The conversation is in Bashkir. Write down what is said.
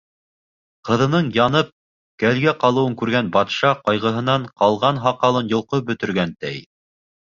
Ҡыҙының янып кәлгә ҡалыуын күргән батша ҡайғыһынан ҡалған һаҡалын йолҡоп бөтөргән, ти.